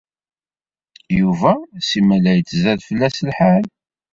Yuba simal la yettzad fell-as lḥal.